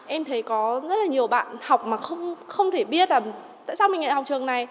em thấy có rất là nhiều bạn học mà không thể biết là tại sao mình lại học trường này